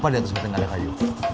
di atas genteng ada kayu